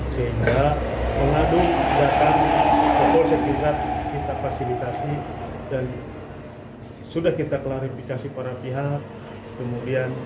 sehingga mengadu jatah setidak kita fasilitasi dan sudah kita klarifikasi para pihak kemudian